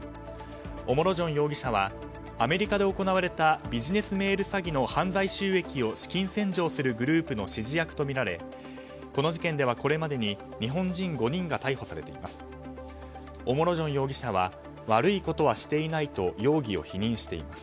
オモロジョン容疑者はアメリカで行われたビジネスメール詐欺の犯罪収益を資金洗浄するグループの指示役とみられこの事件ではこれまでに日本人５人が逮捕されています。